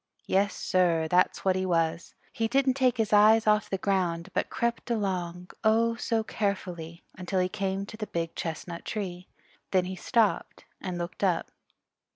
Yes, sir, that's what he was. He didn't take his eyes off the ground, but crept along, oh so carefully, until he came to the Big Chestnut Tree. Then he stopped and looked up.